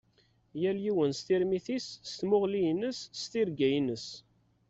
Yal yiwen s tirmit-is, s tmuɣli-ines, s tirga-ines.